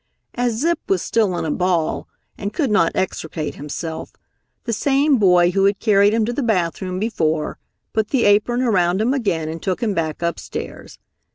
As Zip was still in a ball and could not extricate himself, the same boy who had carried him to the bathroom before, put the apron around him again and took him back upstairs.